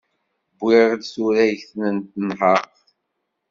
Wwiɣ-d turagt n tenhert.